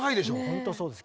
本当そうです